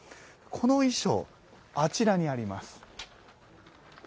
この衣装、あちらにあります。